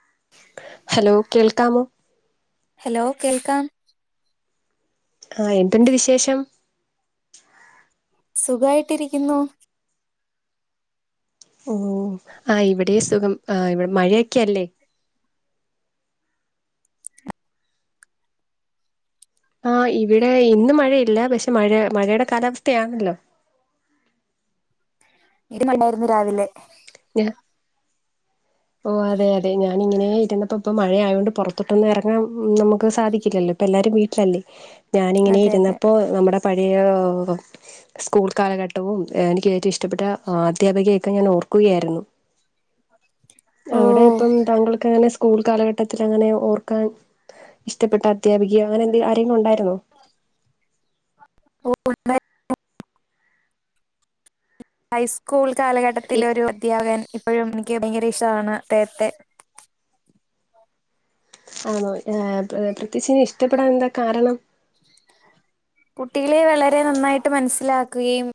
[inaudible] Hello കേൾക്കാമോ hello കേൾക്കാം ആഹ് എന്തുണ്ട് വിശേഷം സുഖായിട്ടിരിക്കുന്നു ഓ ആഹ് ഇവിടേം സുഖം ആ ഇവിടെ മഴയൊക്കെയല്ലേ ആഹ് ഇവിടെ ഇന്ന് മഴയില്ല പക്ഷെ മഴ മഴയുടെ കാലാവസ്ഥയാണല്ലോ ഇടിം മഴിണ്ടായിരുന്നു രാവിലെ ഞ്ഞാ [inaudible] ഓ അതെ അതെ ഞാനിങ്ങനേ ഇരുന്നപ്പോ പ്പൊ മഴ ആയോണ്ട് പുറത്തോട്ടൊന്നും ഇറങ്ങാൻ നമുക്ക് സാധിക്കില്ലല്ലോ ഇപ്പ എല്ലാരും വീട്ടിലല്ലേ ഞാനിങ്ങനെ അതെ അതെ ഇരുന്നപ്പോ നമ്മുടെ പഴയ ഓം സ്കൂൾ കാലഘട്ടവും എനിക്ക് ഏറ്റവും ഇഷ്ടപ്പെട്ട അധ്യാപകയൊക്കെ ഞാൻ ഓർക്കുകയായിരുന്നു ഓ അവിടെ ഇപ്പം താങ്കൾക്ക് എങ്ങനെ സ് സ്കൂൾ കാലഘട്ടത്തിലങ്ങനെ ഓർക്കാൻ ഇഷ്ടപ്പെട്ട അധ്യാപികയോ അങ്ങനെ എന്തെ ആരേങ്കിലും ഉണ്ടായിരുന്നോ ഓ [unintelligible] ഹൈസ്കൂൾ ഈ കാലഘട്ടത്തിലൊരു അദ്ധ്യാപകൻ ഇപ്പഴും എനിക്ക് ഭയങ്കര ഇഷ്ടാണ് അദ്ദേഹത്തെ ആണോ ഏ പ്ര പ്രത്യേകിച്ച് ഇഷ്ടപ്പെടാനെന്താ കാരണം കുട്ടികളെ വളരെ നന്നായിട്ട് മനസ്സിലാക്കുകയും.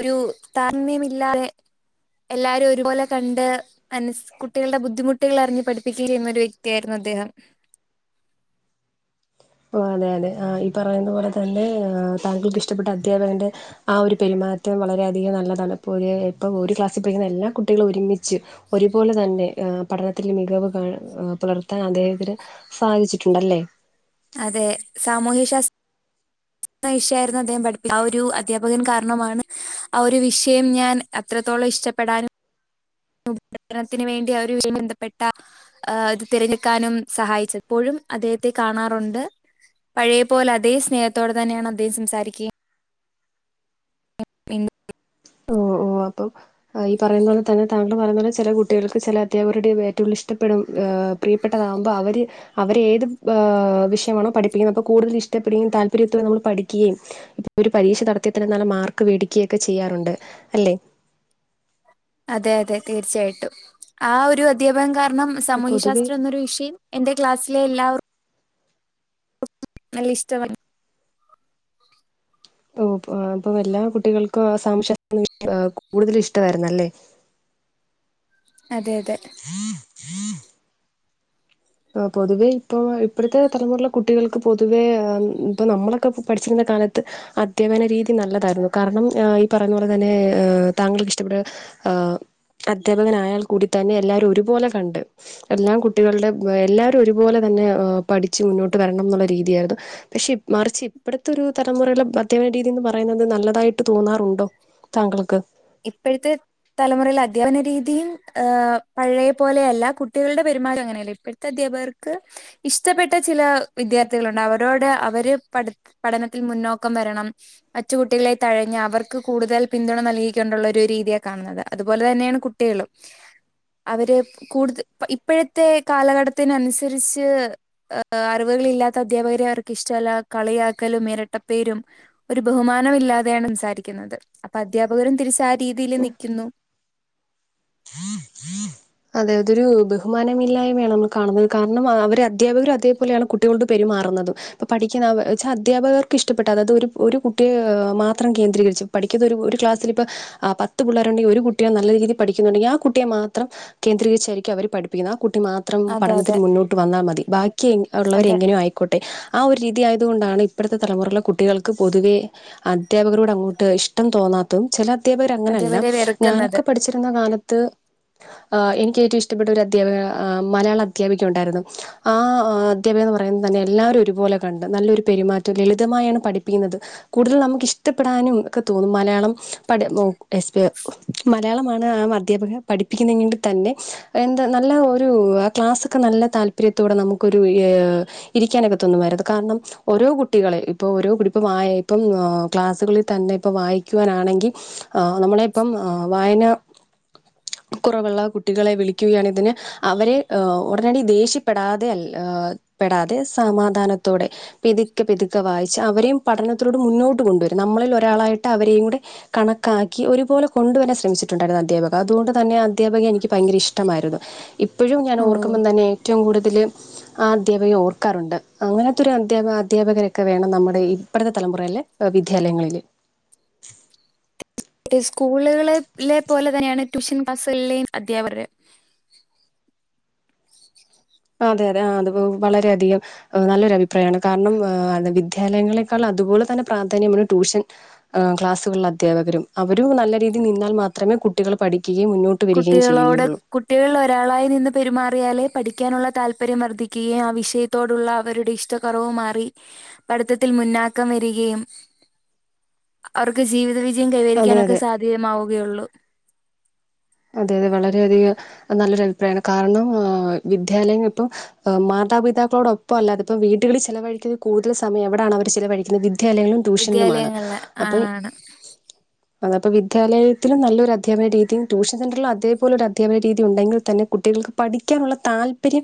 ഒരു താര [unintelligible] മില്ലാതെ എല്ലാരും ഒരുപോലെ കണ്ട്. മനസ് കുട്ടികള്ടെ ബുദ്ധിമുട്ടുകളറിഞ്ഞ് പഠിപ്പിക്കുകയും ചെയ്യുന്ന ഒരു വ്യക്തിയായിരുന്നു അദ്ദേഹം. ഓ അതെ അതെ ആഹ് ഈ പറയുന്ന പോലെ തന്നെ താങ്കൾക്ക് ഇഷ്ട്ടപ്പെട്ട അധ്യാപകന്റെ ഹ്. ആഹ് ഒരു പെരുമാറ്റം വളരെയധികം നല്ലതാണ് ഇപ്പൊ ഒര് ഇപ്പം ഒര് ക്ലാസ്സിൽ പഠിക്കുന്ന എല്ലാ കുട്ട് കുട്ടികൾ ഒരുമിച്ച് ഒരുപോലെ തന്നെ ഏഹ് പഠനത്തിൽ മികവ് കാ ഹ് പുലർത്താൻ അദ്ദേഹത്തിന്. സാധിച്ചിട്ടുണ്ട് അല്ലേ? അതെ സാമൂഹ്യ ശാസ് [inaudible] [unintelligible] ഷയായിരുന്നു അദ്ദേഹം പഠിപ്പി ആഹ് ഒരു അധ്യാപകൻ കാരണമാണ് ആഹ് ഒരു വിഷയം ഞാൻ അത്രത്തോളം ഇഷ്ട്ടപ്പെടാനും. ഉപര്ണത്തിന് വേണ്ടി ആഹ് ഒര് വിഷയം ബന്ധപ്പെട്ട. ആഹ് ഇത് തിരഞ്ഞെടുക്കാനും സഹായിച്ച് എപ്പോഴും അദ്ദേഹത്തെ കാണാറുണ്ട്. പഴയപോലെ അതേ സ്നേഹത്തോടെ തന്നെയാണ് അദ്ദേഹം സംസാരിക്കയും. [unintelligible] ഓ ഓ അപ്പൊ ഈ പറയുന്ന പോലെ തന്നെ താ എന്ന് പറന്ന പോല ചെല കുട്ടികൾക്ക് ചെല അധ്യാപകരുടെ ഏറ്റ ഉൾ ഇഷ്ടപെടും ആഹ് പ്രിയപ്പെട്ടതാവുമ്പ അവര് അവരേത് ഏഹ് വിഷയമാണോ പഠിപ്പിക്കുന്നെ അപ്പൊ കൂടുതൽ ഇഷ്ടപ്പെടുകയും താല്പര്യത്തൊ നമ്മൾ പഠിക്ക്യയും. ഇത്പ്പോ ഒരു പരീക്ഷ നടത്തിയാ തന്നെ നല്ല മാർക്ക് വേടിക്ക്യയൊക്കെ ചെയ്യാറുണ്ട് അല്ലെ. അതെ അതെ തീർച്ചയായിട്ടും ആഹ് ഒരു അദ്ധ്യാപകം കാരണം സാമൂഹ്യ പൊതുവെ ശാസ്ത്രം എന്നൊരു വിഷ് എന്റെ ക്ലാസിലെ എല്ലാവർ. നല്ല ഇഷ്ട്ടവാ. ഓ പ പ്പൊ എല്ലാ കുട്ടികൾക്കു സാമു [unintelligible] കൂടുതൽ ഇഷ്ട്ടമായിര്ന്നല്ലേ. [inaudible] അതെ അതെ. [inaudible] ആഹ് പൊതുവേ ഇപ്പൊ ഹ് ഇപ്പഴ്‌ത്തെ തലമുറലെ കുട്ടികൾക്ക് പൊതുവേ ഹ് ഹ്മ് ഇപ്പൊ നമ്മളൊക്കെ പൊ പഠിച്ചിരുന്ന കാലത്ത്. ഹ് അധ്യാപന രീതി നല്ലതായിരുന്നു കാരണം ഹ് ഈ. പറഞ്ഞ പോലെ തന്നെ ഏഹ് താങ്കൾക്ക് ഇഷ്ടപ്പെട്ട ഹ് ആഹ്. അദ്ധ്യാപകനയാൽ കൂടി തന്നെ എല്ലാരും ഒരുപോലെ കണ്ട് എല്ലാം കുട്ടികളുടെ. എല്ലാരും ഒരുപോലെ തന്നെ ഹ് പഠിച്ച് മുന്നോട്ട് വര്ണം എന്നുള്ള രീതിയായിരുന്നു ഹ്. പഷേ മറിച്ച് ഇപ്പർത്തെ ഒരു തലമുറയിലെ അധ്യാപന രീതീന്ന് പറയ്ന്നത് നല്ലതായിട്ട് തോന്നാറുണ്ടോ? താങ്കൾക്ക്. ഇപ്പഴ്‌ത്തെ. തലമുറയിൽ അധ്യാപന രീതിയും ഏഹ് പഴയ പോലെയല്ല കുട്ടികളുടെ പെരുമാറ്റം അങ്ങനെയല്ലെ ഇപ്പഴാ അധ്യാപകർക്ക് ഇഷ്ടപ്പെട്ട ചില വിദ്യാർത്ഥികളുണ്ട് അവരോട് അവര് പട് പഠനത്തിൽ മുന്നോക്കം വരണം മറ്റുകുട്ടികളെ തഴഞ്ഞ് അവർക്ക് കൂടുതൽ പിന്തുണ നൽകി. കൊണ്ടുള്ള ഒരു രീതിയ കാണുന്നത് അതുപോലെ തന്നെയാണ് കുട്ടികളും. അവര് കൂട്ത് പ ഇപ്പഴത്തെ കാലഘട്ടത്തിന് അനുസരിച്ച്. ഹ് ഹ് അറിവുകൾ ഇല്ലാത്ത അധ്യാപകരെ അർക് ഇഷ്ട്ടല്ല കളിയാക്കലും എരട്ടപ്പേരും. ഒരു ബഹുമാനമില്ലാതെയാ സംസാരിക്കുന്നത് അപ്പൊ അധ്യാപകരും തിരിച്ച് ആഹ് രീതിൽ നിക്കുന്നു. അതെ അതൊരു ബഹുമാനമില്ലായ്മയാണ് നമ്മൾ കാണുന്നത് കാരണം അവര് അധ്യാപകരും അതേപോലെയാണ് കുട്ടികളോട് പെരുമാറുന്നതും. ഇപ്പ പഠിക്കുന്ന ച്ചാ അധ്യാപകർക്ക് ഇഷ്ടപ്പെട്ട അതൊരു ഒരു കുട്ടിയെ മാത്രം കേന്ദ്രീകരിച്ചു. പഠിക്കുന്ന ഒരു ഒര് ക്ലാസിൽ ഇപ്പഹ് ആഹ് പത്തു പിള്ളേരുണ്ടെങ്കിൽ ഒരു കുട്ടിയെ നല്ല രീതിയിൽ പഠിക്കുന്നുണ്ടെങ്കിൽ ആഹ് കുട്ടിയെ മാത്രം ഹ്. കേന്ദ്രീകരിച്ചായിരിക്കും അവർ പഠിപ്പിക്കുന്ന ആഹ് കുട്ടി മാത്രം അതെ പഠനത്തിന് അതെ മുന്നോട്ട് വന്നാൽ മതി ബാക്കി എങ് ഉള്ളവരെ അതെ എങ്ങനോ ആയ് കോട്ടെ ആഹ് ഒരു രീതിയായത് കൊണ്ടാണ് ഇപ്പൊഴത്തെ തലമുറയിലെ കുട്ടികൾക്ക് പൊതുവേ ഹ് അ ധ്യാപകരോട് അങ്ങോട്ട് ഇഷ്ടം തോന്നാത്തും ചെല അധ്യപകരങ്ങനെല്ല അധ്യാപകരെ വെറുക്കുന്നത് ഞാനൊക്കെ പഠിച്ച് ന്ന കാലത്ത്. ആഹ് എനിക്ക് ഏറ്റവും ഇഷ്ട്ടപ്പെട്ട ഒരു അധ്യാപക ആഹ് മലയാള അധ്യാപിക ഉണ്ടായിരുന്നു ആഹ്. അധ്യാപിക എന്ന് പറയുന്നത് തന്നെ എല്ലാരും ഒരുപോലെ കണ്ട് നല്ലൊരു പെരുമാറ്റം ലളിതമായാണ് പഠിപ്പിക്കുന്നത്. കൂടുതൽ നമുക്ക് ഇഷ്ടപ്പെടാനും ഒക്കെ തോന്നും മലയാളം പ മലയാളമാണ് ആ അധ്യാപക പഠിപ്പിക്കുന്നെങ്ങ തന്നെ എന്താ നല്ല ഒരു ക്ലാസ്സൊക്കെ നല്ല താല്പര്യത്തോടെ നമുക്കൊരു ഇരിക്കാനൊക്കെ തൊന്നും വരുത് കാരണം ഓരോ കുട്ടികളെ ഇപ്പൊ ഓരോ കുട്ടി ഇപ്പം വായ ഇപ്പം ക്ലാസുകളിൽ തന്നെ ഇപ്പം വായിക്കുവാനാണെങ്കി ആ നമ്മളിപ്പം വായന കുറവുള്ള കുട്ടികളെ വിളിക്കുകയാണ് ഇതിന് അവരെ ഉടനടി ദേഷ്യപ്പെടാതെ അല്ല പെടാതെ സമാധാനത്തോടെ പിതുക്കെ പിതുക്കെ വായിച്ച് അവരെയും പഠനത്തിലോട്ട് മുന്നോട്ട് കൊണ്ടുവരും നമ്മളിൽ ഒരാളായിട്ട് അവരെയും കൂടെ കണക്കാക്കി ഒരുപോലെ കൊണ്ടുവരാൻ ശ്രമിച്ചിട്ടുണ്ടായിരുന്നു അധ്യാപക അതുകൊണ്ട് തന്നെ ആ അധ്യാപകയെ എനിക്ക് ഭയങ്കര ഇഷ്ടമായിരുന്നു ഇപ്പോഴും ഞാൻ ഓ ഓർക്കുമ്പം തന്നെ ഏറ്റവും കൂടുതൽ ആ അധ്യാപകയെ ഓർക്കാറുണ്ട് അങ്ങനത്തെ ഒരു അധ്യാപ അധ്യാപകരൊക്കെ വേണം നമ്മുടെ ഇപ്പഴത്തെ തലമുറയില് വിദ്യാലയങ്ങളില് സ്കൂളുകളെ ലെ പോലെ തന്നെയാണ് ട്യൂഷൻ ക്ലാസ്സുകളിലെയും അധ്യാപകരുടെ അതെ അതെ ആ അത് വളരെയധികം നല്ലൊരു അഭിപ്രായമാണ് കാരണം വിദ്യാലയങ്ങളെക്കാൾ അതുപോലെ തന്നെ പ്രാധാന്യമാണ് ട്യൂഷൻ ക്ലാസുകളിലെ അധ്യാപകരും അവരും നല്ല രീതിയിൽ നിന്നാൽ മാത്രമേ കുട്ടികൾ പഠിക്കുകയും മുന്നോ കുട്ടികളോട് കുട്ടികളിൽ ഒരാളായി നിന്ന് പെരുമാറിയാലേ പഠിക്കാനുള്ള താല്പര്യം വർദ്ധിക്കുകയും ആ വിഷയ ത്തോടുള്ള അവരുടെ ഇഷ്ടക്കുറവ് മാറി പഠിത്തത്തിൽ മുന്നാക്കം വരികയും അവർക്ക് ജീവിതവിജയം അതെ കൈവരിക്കാനൊക്കെ അതെ സാധ്യമാവുകയുള്ളൂ അതെ അതെ വളരെയധിക നല്ലൊര കാരണം വിദ്യാലയങ്ങ [unintelligible] മാതാപിതാക്കളോടൊപ്പല്ല അതിപ്പോ വീട്ടുകളിൽ ചിലവഴിക്കൽ കൂടുതൽ സമയം എവിടാണ് അവർ ചിലവഴിക്കുന്നത് വിദ്യാലയങ്ങളും ട്യൂഷനിലുമാണ് വിദ്യാലയങ്ങളില് അപ്പം ആണാണ് അതപ്പൊ വിദ്യാലയത്തിലും നല്ലൊരു അധ്യാപന രീതി ട്യൂഷൻ സെൻ്ററിൽ അതേപോലൊരു അധ്യാപന രീതി ഉണ്ടെങ്കിൽ തന്നെ കുട്ടികൾക്ക് പഠിക്കാനുള്ള താല്പര്യം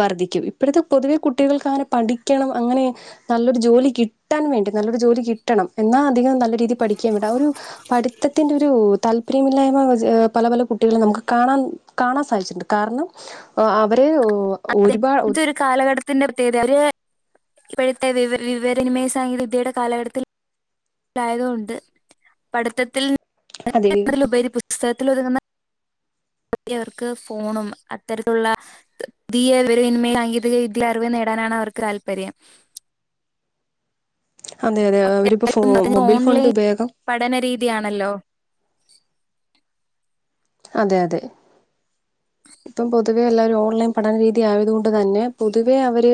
വർധിക്കും ഇപ്പോഴത്തെ പൊതുവെ കുട്ടികൾക്ക് അങ്ങനെ പഠിക്കണം അങ്ങനെ നല്ലൊരു ജോലി കിട്ടാൻ വേണ്ടി നല്ലൊരു ജോലി കിട്ടണം എന്നാ അധികം നല്ല രീതിയിൽ പഠിക്കേം വേണ്ട ആ ഒരു പഠിത്തത്തിന്റെ ഒരു താല്പര്യമില്ലായ്മ പല പല കുട്ടികളും നമുക്ക് കാണാൻ കാണാൻ സാധിച്ചിട്ടുണ്ട് കാരണം അവരെ അതെ ഒരുപാ ഒ ഒരു കാലഘട്ടത്തിന്റെ പ്രത്യേകത ഇപ്പോഴത്തെ വിവ വിവര വിനിമയ സാങ്കേതികവിദ്യയുടെ കാലഘട്ടത്തിൽ ലായകുണ്ട് പഠിത്തത്തിൽൽ അതെ ഉപ പുസ്തകത്തിൽ ഒതുങ്ങുന്ന അവർക്ക് ഫോണും അത്തരത്തിലുള്ള വിവരവിനിമയസാങ്കേതിക വിദ്യയിൽ അറിവ് നേടാനാണ് അവർക്ക് താല്പര്യം അതെ അതെ അവരിപ്പോ ഫോ മൊബൈൽ ഫോണിൻ്റെ ഉപയോഗം പഠനരീതിയാണല്ലോ അതെ അതെ ഇപ്പം പൊതുവെ എല്ലാവരും ഓൺലൈൻ പഠന രീതി ആയതു കൊണ്ട് തന്നെ പൊതുവേ അവര്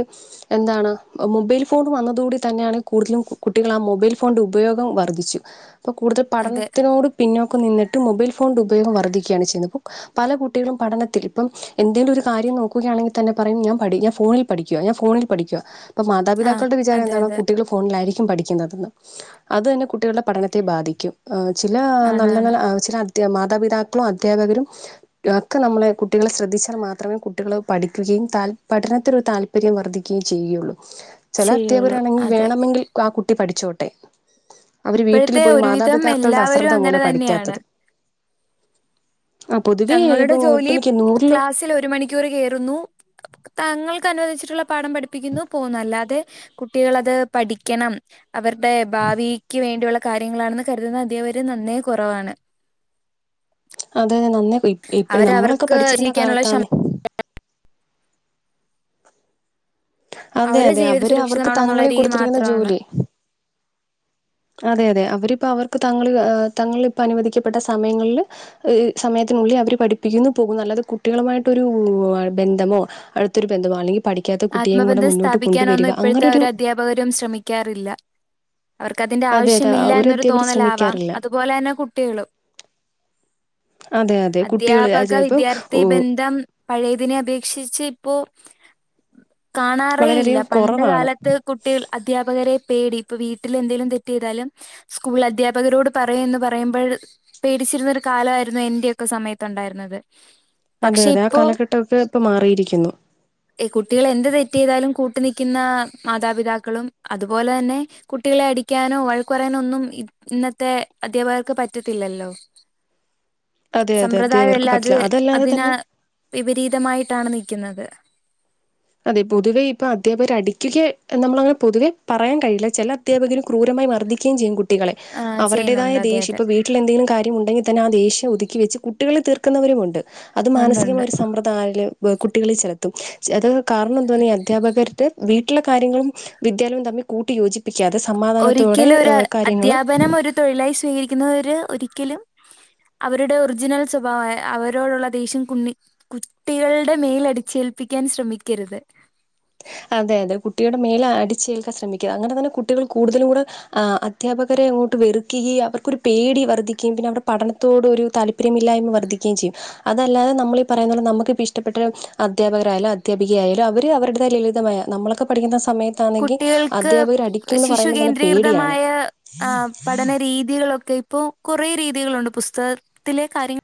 എന്താണ് മൊബൈൽ ഫോൺ വന്നതുകൂടി തന്നെയാണ് കൂടുതലും കുട്ടികൾ ആ മൊബൈൽ ഫോണിന്റെ ഉപയോഗം വർദ്ധിച്ചു അപ്പൊ കൂടുത അതെ പഠനത്തിനോട് പിന്നോക്കം നിന്നിട്ട് മൊബൈൽ ഫോണിന്റെ ഉപയോഗം വർദ്ധിക്കുകയാണ് ചെയ്യുന്നത്പ്പോ പല കുട്ടികളും പഠന ഇപ്പം എന്തേലും ഒരു കാര്യം നോക്കുകയാണെങ്കിൽ തന്നെ പറയും ഞാൻ പഠി ഞാൻ ഫോണിൽ പഠിക്കയാ ഞാൻ ഫോണിൽ പഠിക്കയാ ഇപ്പ ആഹ് മാതാപിതാക്കളുടെ വിചാരം അതെ എന്താണ് അതെ കുട്ടികൾ ഫോണിലായിരിക്കും പഠിക്കുന്നതെന്ന് അതു തന്നെ കുട്ടികളുടെ പഠനത്തെ ബാധിക്കും ചില നല്ല ആണാണ് നല്ല ചില മാതാപിതാക്കളും അധ്യാപകരും ഒക്കെ നമ്മളെ കുട്ടികളെ ശ്രദ്ധിച്ചാൽ മാത്രമേ കുട്ടികൾ പഠിക്കുകയും താൽ പഠനത്തിനൊരു താല്പര്യം വർദ്ധിക്കുകയും ചെയ്യുകയുള്ളൂ ചില ചെയ്യുള്ളൂ അധ്യാപകരാണെങ്കിൽ അതെ വേണമെങ്കിൽ ആ കുട്ടി പഠിച്ചോട്ടെ അവര് വീട്ടിൽ ഇപ്പോഴത്തെ പോയി ഒരുവിധം മാതാപിതാക്കളുടെ എല്ലാവരും അശ്രദ്ധ അങ്ങനെ പോലെ തന്നെയാണ് പഠിക്കാത്തത് ആഹ് പൊതുവേ ഇപ്പ ഈ ക്ലാസിൽ ഒരുമണിക്കൂറ് കേറുന്നു തങ്ങൾക്ക് അനുവദിച്ചിട്ടുള്ള പാഠം പഠിപ്പിക്കുന്നു പോന്നു അല്ലാതെ കുട്ടിളത് പഠിക്കണം അവരുടെ ഭാവിക്ക് വേണ്ടിയുള്ള കാര്യങ്ങളാണെന്ന് കരുതുന്ന അധ്യപകര് നന്നേ കുറവാണ് അതെ നന്നെ ഇപ്പ നമ്മളൊക്കെ അവരവർക്ക് പഠിച്ചിരുന്ന ജീവിക്കാനുള്ള ക്ഷമ കാലത്താന്ന് അതെ അവരുടെ അതെ ജീവിതം അവര് അവർക്ക് സുരക്ഷിതമാണോ എന്നുള്ള രീതി തങ്ങളികൊടുത്തിരിക്കുന്ന മാത്രമാണ് ജോലി അതെ അതെ അവരിപ്പോ അവർക്ക് തങ്ങള് തങ്ങളിലനുവദിക്കപ്പെട്ട സമയങ്ങളില് സമയത്തിനുള്ളിൽ അവര് പഠിപ്പിക്കുന്നു പോകുന്നു അല്ലാതെ കുട്ടികളുമായിട്ടൊരു ബന്ധമോ അടുത്തൊരു ബന്ധമോ അല്ലെങ്കി പഠിക്കാത്ത കുട്ടിയെയും കൂടെ മുന്നോട്ട് കൊണ്ടുവരിക അങ്ങനൊരു ആരും ശ്രമിക്കാറില്ല അവർക്കതിന്റെ അതെ അതെ ഒരു ആവശ്യമില്ലന്നൊരു അധ്യാപകര് തോന്നലാവാം ശ്രമിക്കാറില്ല അതുപോലെ തന്നെ കുട്ടിളും അതെ അതെ കുട്ടികള് അധ്യാപക ചിലപ്പം വിദ്യാർത്ഥി ബന്ധം പഴയതിനെ അപേക്ഷിച്ച് ഇപ്പോ കാണാറേ ഇല്ല വളരെയധികം പണ്ട് കുറവാണ് കാലത്ത് കുട്ടിള് അധ്യാപകരെ പേടി ഇപ്പൊ വീട്ടിൽ എന്തെലും തെറ്റയ്താലും സ്കൂള അധ്യാപകരോട് പറയും എന്ന് പറയുമ്പഴ് പേടിച്ചിരുന്ന ഒരു കാലായിരുന്നു എന്റെയൊക്കെ സമയത്തുണ്ടായിരുന്നത് അതെ പക്ഷെ അതെ ആഹ് കാലഘട്ടക്കെ ഇപ്പൊ മാറിയിരിക്കുന്നു കുട്ടികള് എന്ത്തെറ്റ് ചെയ്താലും കൂട്ടു നിക്കുന്ന മാതാപിതാക്കളും അതുപോലെ തന്നെ കുട്ടികളെ അടിക്കാനോ വഴക്കു പറയാനോ ഒന്നും ഇ ഇന്നത്തെ അധ്യാപകർക്ക് പറ്റത്തില്ലല്ലോ അതെ അതെ സമ്പ്രദായം അധ്യപകർക്ക് എല്ലാം അത് പറ്റില്ല അതിന് അതല്ലാതെതന്നെ വിപരീതമായിട്ടാണ് നിക്കുന്നത് അതെ പൊതുവേ ഇപ്പൊ അധ്യാപകര് അടിക്കക നമ്മളങ്ങനെ പൊതുവേ പറയാൻ കഴയില്ല ചെല അധാപകര് ക്രൂരമായി മർദ്ദിക്കുകയുചെയ്യും കുട്ടികളെ ആ അവരുടേതായ ചെയ്യുന്നുണ്ട് അതെ ദേഷ്യത്തി അതെ ഇപ്പ വീട്ടിലെന്തെിലും കാര്യമുണ്ടെങ്കിൽ തന്നെ ആഹ് ദൈശ്യ ഒതുക്കി വെച്ച് കുട്ടികളെ തീർക്കവരു ഉണ്ട് അത് ഉണ്ടുണ്ട് മാനസികമായ ഒരു സംവൃ [unintelligible] കുട്ടികളിൽ ചെലുത്തും അത് കാരണന്താ അധ്യാപകരുടെ വീട്ടിലെ കാര്യങ്ങളും വിദ്യാലയവ തമ്മിൽ കൂട്ടി യോജിപ്പിക്കാതെ സമാധാനത്തോടെ ഒരിക്കലും ഒരു കാര്യങ്ങ അധ്യാപനം ഒരു തൊഴിലായി സ്വീകരിക്കുന്നവര് ഒരിക്കലും അവരുടെ ഒറിജിനൽ സ്വഭാവം അവരോടുള്ള ദേഷ്യം കുഞ്ഞി കുട്ടിൾടെ മേലടിച്ചേൽപ്പിക്കാൻ ശ്രമിക്കരുത് അതെ അതെ കുട്ടിൾടെ മേലെടിച്ചേൽക്കാൻ ശ്രമിക്കുകരത് അങ്ങനെ തന്നെ കുട്ടികൾ കൂടുതലൂടെ ആ അധ്യാപകരെ അങ്ങോട്ട് വെറുക്കുകയും അവർക്കൊരു പേടി വർദ്ധിക്കയും അവടെ പഠനത്തോട് ഒരു താല്പര്യം വിവരമില്ലായ്മ വർധിക്കുകയും ചെയ്യും അതല്ലാതെ നമ്മളീ പറയുന്നത് നമുക്കിഷ്ടപെട്ടൊരു അധ്യാപകിയാലു അധ്യാപികയായാലും അവര് അവരുടെതായ നമ്മളൊക്കെ പഠിക്കുന്ന സമയത്ത് കുട്ടിൾക്ക് ശിശു തന്നെ പേടിയാണ് കേന്ദ്രീകൃതമായ ആഹ് പഠനരീതികളൊക്കെ ഇപ്പോ കുറെ രീതികളുണ്ട് പുസ്തകത്തിലെ കാര്യങ്ങ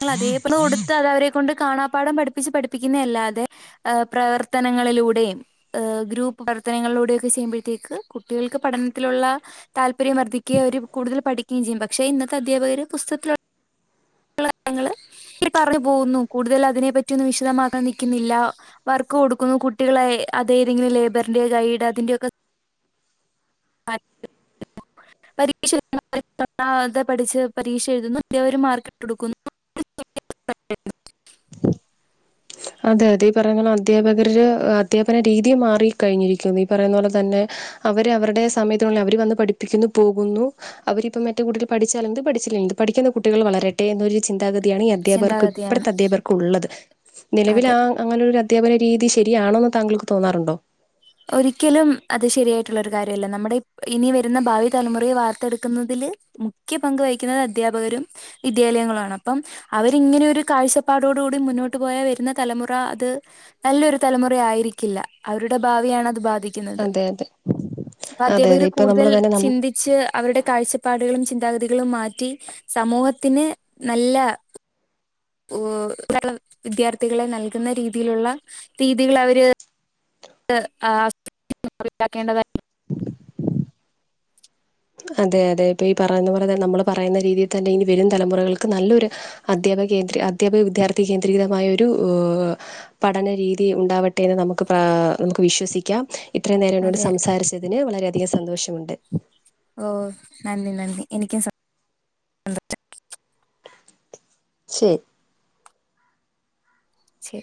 [unintelligible] അതേപോലെ കൊടുത്ത് അത് അവരെ കൊണ്ട് കാണാപ്പാഠം പഠിപ്പിച്ച് പഠിപ്പിക്കുന്നല്ലാതെ പ്രവർത്തനങ്ങളിലൂടെയും ഏഹ് ഗ്രൂപ്പ് പ്രവർത്തനങ്ങളിലൂടെയൊക്കെ ചെയ്യുമ്പോഴത്തേക്ക് കുട്ടിൾക്ക് പഠനത്തിലുള്ള താൽപര്യം വർദ്ധിക്കയ അവര് കൂടുതല് പഠിക്കുക ചെയ്യും പക്ഷെ ഇന്നത്തെ അധ്യാപകര് പുസ്തകത്തിലുള്ള [unintelligible] പറഞ്ഞു പോകുന്നു കൂടുതൽ അതിനെ പറ്റിയൊന്നും വിശദമാക്കാൻ നിക്കുന്നില്ല വർക്ക് കൊടുക്കുന്നു കുട്ടികളെ അതെതെങ്കിലും ലേബറിന്ത്യ ഗൈഡ് അതിൻ്റെക്കെ പരീക്ഷ [unintelligible] പഠിച്ച് പരീക്ഷ എഴുതുന്നു അധ്യാപരും മാർക്കിട്ട്കൊടുക്കുന്നു അതെ അതെ ഈ പറന്നപോലെ അധ്യപകര് അധ്യാപന രീതി മാറി കഴിഞ്ഞിരിക്കുന്നു ഈ പറയുന്ന പോലെ തന്നെ അവര് അവരടെ സമയത്തിനുള്ളിൽ അവര് വന്ന് പഠിപ്പിക്കുന്നു പോകുന്നു അവരിപ്പം മറ്റേകുട്ടികള് പഠിച്ചാലെന്ത് പഠിച്ചല്ലെന്ത് പഠിക്കുന്ന കുട്ടികൾ വളരട്ടെ എന്നൊരു ചിന്താഗതി ചിന്താണ് ഈ അധ്യാപർക്ക് ചിന്താഗതിയാണ് ഇപ്പോത്തെ അധ്യാപകർക്കുള്ളത് നിലവിൽ അതെ ആഹ് അങ്ങനെൊ ഒരു അധ്യാപന രീതി ശരിയാണോന്ന് താങ്കൾക്ക് തോന്നാറുണ്ടോ ഒരിക്കലും അത് ശരിയായിട്ടുള്ളൊരു കാര്യമല്ല നമ്മുടെ ഇനി വരുന്ന ഭാവി തലമുറയെ വാർത്തെടുക്കുന്നതില് മുഖ്യ പങ്ക് വഹിക്കുന്നത് അധ്യാപകരും വിദ്യാലയങ്ങളും ആണ് അപ്പം അവരിങ്ങനെ ഒരു കാഴ്ചപ്പാടോടു കൂടി മുന്നോട്ട് പോയാ വരുന്ന തലമുറ അത് നല്ലൊരു തലമുറായിരിക്കില്ല അവരുടെ ഭാവിയാണ് അത് ബാധി അതെ [unintelligible] അതെ അതെ പതിവിൽ അതെ ഇപ്പൊ കൂടുതൽ നമ്മള് തന്നെ നം ചിന്തി ച്ച് അവരുടെ കാഴ്ചപ്പാടുകളും ചിന്താഗതികളും മാറ്റി സമൂഹത്തിന് നല്ല ഓവിദ്യാർത്ഥികളെ നൽകുന്ന രീതിയിലുള്ള രീതികൾ അവര് [unintelligible] അതെ അതെ ഇ പറയുന്ന പോലെ നമ്മള് പറയുന്ന രീതിയിൽ തന്നെ ഇനി വരും തലമുറകൾക്ക് നല്ലൊരു അധ്യാപക കേന്ദ്ര അധ്യാപക വിദ്യാർത്ഥി കേന്ദ്രീകൃതമായ ഒരു പഠനരീതി ഉണ്ടാവട്ടെന്ന് നമുക്ക് പാ നമുക്ക് വിശ്വസിക്കാം ഇത്രയും നേരം എന്നോട് അതെ സംസാരിച്ചതിന് വളരെയധികം സന്തോഷമുണ്ട് ഓ നന്ദി നന്ദി എനിക്കും സ ശരി ശരി